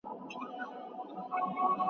هغوی خپلې زده کړې خپروي.